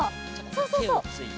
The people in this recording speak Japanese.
そうそうそう。